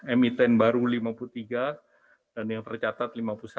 emiten baru lima puluh tiga dan yang tercatat lima puluh satu